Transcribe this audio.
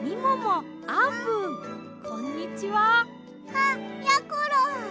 あっやころ。